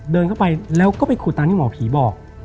เดินเข้าไปแล้วก็ไปขุดตามที่หมอผีบอก